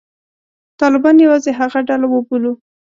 طالبان یوازې هغه ډله وبولو.